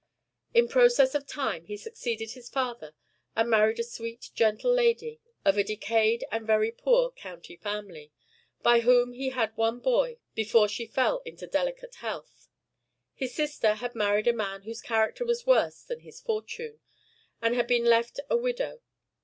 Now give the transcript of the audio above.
In process of time he succeeded his father, and married a sweet, gentle lady, of a decayed and very poor county family, by whom he had one boy before she fell into delicate health. His sister had married a man whose character was worse than his fortune, and had been left a widow.